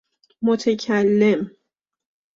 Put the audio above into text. متکلم